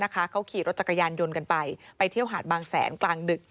เขาขี่รถจักรยานยนต์กันไปไปเที่ยวหาดบางแสนกลางดึก